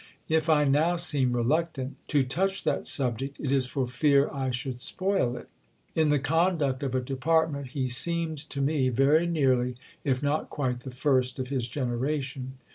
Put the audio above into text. (If I now seem reluctant to touch that subject it is for fear I should spoil it.) In the conduct of a department he seemed to me very nearly if not quite the first of his generation.